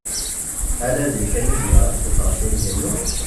Ala din kan i zemreɣ ad ssufɣaɣ tirga-ynu?